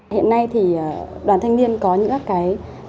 hiện nay thì đoàn thanh niên có những cái